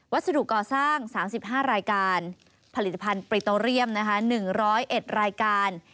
สดุก่อสร้าง๓๕รายการผลิตภัณฑ์ปริโตเรียม๑๐๑รายการ